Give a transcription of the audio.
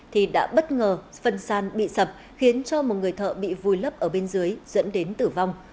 thì đã bất ngờ phần sàn bị sập khiến cho một người thợ bị vùi lấp ở bên dưới dẫn đến tử vong